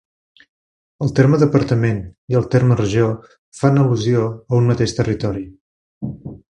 El terme Departament i el terme Regió fan al·lusió a un mateix territori.